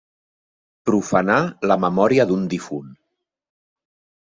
Profanar la memòria d'un difunt.